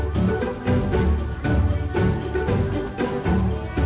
เพื่อนรับทราบ